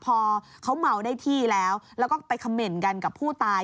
พอเขาเมาได้ที่แล้วแล้วก็ไปเขม่นกันกับผู้ตาย